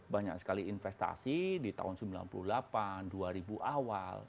banyak sekali investasi di tahun sembilan puluh delapan dua ribu awal